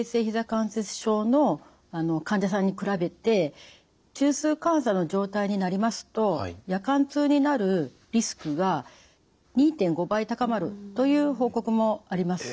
関節症の患者さんに比べて中枢感作の状態になりますと夜間痛になるリスクが２．５倍高まるという報告もあります。